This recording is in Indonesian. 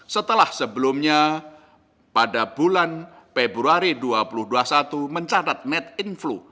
setelah sebelumnya pada bulan februari dua ribu dua puluh satu mencatat net influ